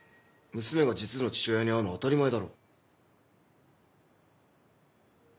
娘が実の父親に会うのは当たり前だろ。